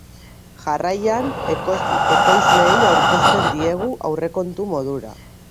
Jarraian, ekoizleei aurkezten diegu, aurrekontu modura.